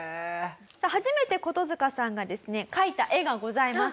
初めてコトヅカさんがですね描いた絵がございます。